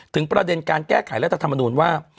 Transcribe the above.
ประเด็นการแก้ไขรัฐธรรมนูญว่า